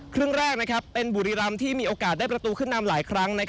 ครึ่งแรกเป็นบุรีรำที่มีโอกาสได้ประตูขึ้นนำหลายครั้ง